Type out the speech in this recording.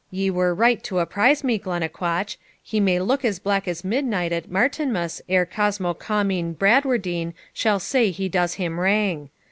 Ye were right to apprise me, Glennaquoich; he may look as black as midnight at Martinmas ere Cosmo Comyne Bradwardine shall say he does him wrang.